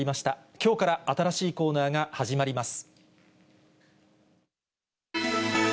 きょうから新しいコーナーが始まります。